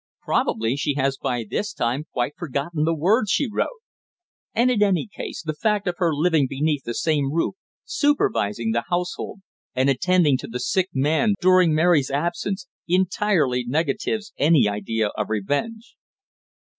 Probably she has by this time quite forgotten the words she wrote. And in any case the fact of her living beneath the same roof, supervising the household, and attending to the sick man during Mary's absence, entirely negatives any idea of revenge."